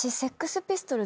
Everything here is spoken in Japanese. ピストルズ